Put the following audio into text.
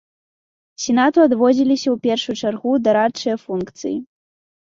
Сенату адводзіліся ў першую чаргу дарадчыя функцыі.